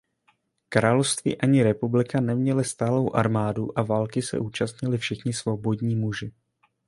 Království ani republika neměly stálou armádu a války se účastnili všichni svobodní muži.